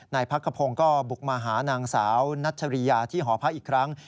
พักขพงศ์ก็บุกมาหานางสาวนัชริยาที่หอพักอีกครั้ง